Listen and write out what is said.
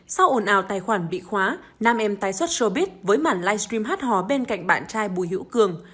sau ồn ào tài khoản bị khóa nam em tái xuất sobit với mản livestream hát hò bên cạnh bạn trai bùi hữu cường